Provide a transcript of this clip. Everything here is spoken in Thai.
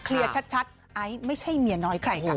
แคลียร์ชัดไอ้ไม่ใช่เมียน้อยใคร